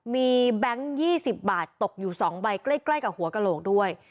มีแบงค์๒๐บาทตกอยู่๒ใบใกล้กับหัวกระโหลกด้วย